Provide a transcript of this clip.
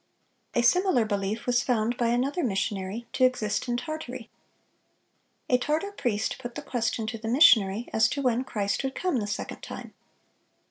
(604) A similar belief was found by another missionary to exist in Tartary. A Tartar priest put the question to the missionary, as to when Christ would come the second time.